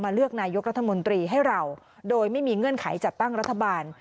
เลือกนายกรัฐมนตรีให้เราโดยไม่มีเงื่อนไขจัดตั้งรัฐบาล